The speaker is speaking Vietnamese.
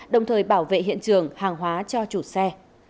đồng thời bảo vệ hiện trường hàng hóa cho chủ xe